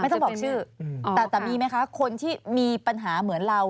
ต้องบอกชื่อแต่แต่มีไหมคะคนที่มีปัญหาเหมือนเรา